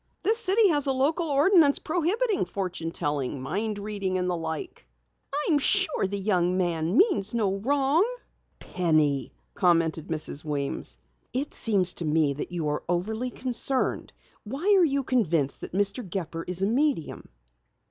This city has a local ordinance prohibiting fortune telling, mind reading and the like." "I am sure the young man means no wrong." "Penny," commented Mrs. Weems, "it seems to me that you are overly concerned. Why are you convinced that Mr. Gepper is a medium?"